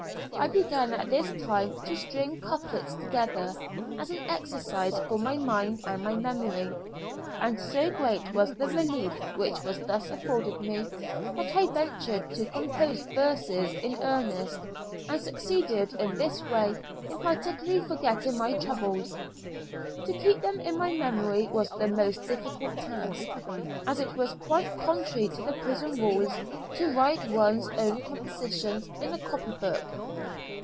I began at this time to string couplets together, as an exercise for my mind and my memory, and so great was the relief which was thus afforded me that I ventured to compose verses in earnest, and succeeded in this way in partially forgetting my troubles. To keep them in my memory was the most difficult task, as it was quite contrary to the prison rules to write one's own compositions in a copy book.